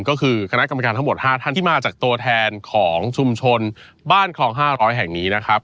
ก็คือคณะกรรมการทั้งหมด๕ท่านที่มาจากตัวแทนของชุมชนบ้านคลอง๕๐๐แห่งนี้นะครับ